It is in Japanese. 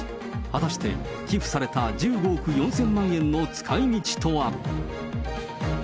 果たして寄付された１５億４０００万円の使いみちとは。